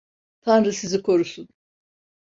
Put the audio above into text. Tanrı sizi korusun.